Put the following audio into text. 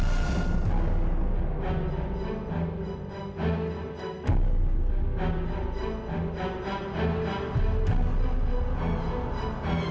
ayah juga akan menangkap ayah